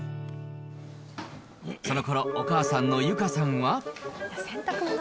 そのころ、お母さんの裕佳さんは。